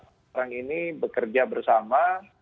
sekarang ini bekerja bersama